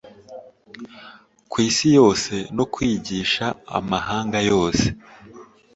ku isi yose” no “kwigisha amahanga yose.”